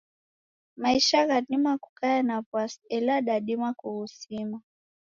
Maisha ghadima kukaya na w'asi ela dadima kughusima.